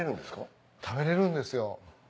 食べれるんですよ。